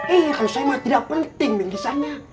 iya kalau saya mah tidak penting bingkisannya